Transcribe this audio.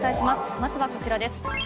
まずはこちらです。